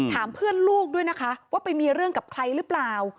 ถามเพื่อนลูกด้วยนะคะว่าไปมีเรื่องกับใครหรือเปล่า